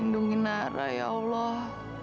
lindungi nara ya allah